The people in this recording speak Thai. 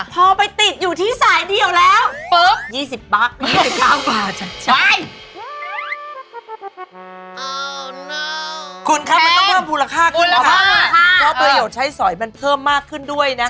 พอไปติดอยู่ที่สายเดียวแล้ว